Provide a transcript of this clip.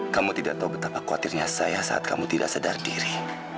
kamu tidak tahu betapa khawatirnya saya saat kamu tidak sadar diri